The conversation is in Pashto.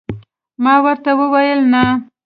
ما ورته وویل: نه.